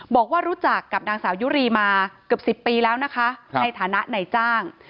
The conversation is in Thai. บอกว่ารู้จักกับนางสาวยุรีมาเกือบ๑๐ปีแล้วนะคะในฐานะนายจ้าง